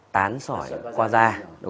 tán sỏi qua ra